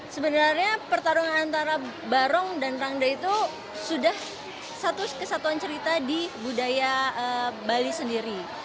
sebenarnya pertarungan antara barong dan rangda itu sudah satu kesatuan cerita di budaya bali sendiri